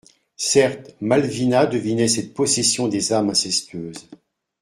Certes Malvina devinait cette possession des âmes incestueuses.